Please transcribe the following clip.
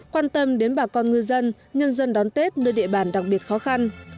quan tâm đến bà con ngư dân nhân dân đón tết nơi địa bàn đặc biệt khó khăn